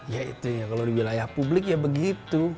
ya itu ya kalau di wilayah publik ya begitu